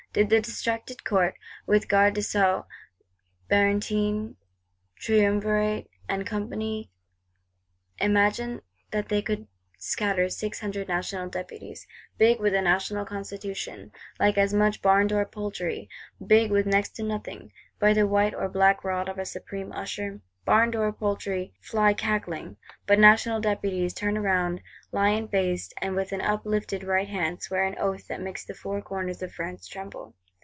Did the distracted Court, with Gardes des Sceaux Barentin, Triumvirate and Company, imagine that they could scatter six hundred National Deputies, big with a National Constitution, like as much barndoor poultry, big with next to nothing,—by the white or black rod of a Supreme Usher? Barndoor poultry fly cackling: but National Deputies turn round, lion faced; and, with uplifted right hand, swear an Oath that makes the four corners of France tremble.